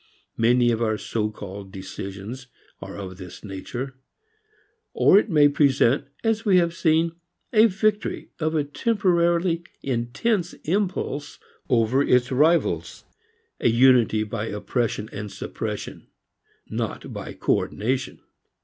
Many of our so called decisions are of this nature. Or it may present, as we have seen, a victory of a temporarily intense impulse over its rivals, a unity by oppression and suppression, not by coordination.